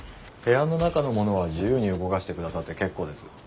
部屋の中のものは自由に動かしてくださって結構です。